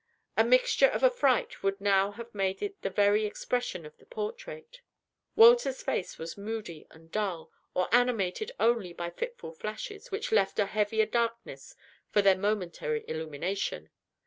A mixture of affright would now have made it the very expression of the portrait. Walter's face was moody and dull, or animated only by fitful flashes, which left a heavier darkness for their momentary illumination.